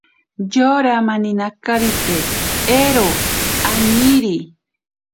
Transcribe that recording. Yora maninakarite ero añiiri.